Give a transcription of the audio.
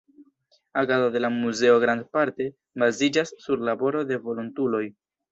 Agado de la muzeo grandparte baziĝas sur laboro de volontuloj.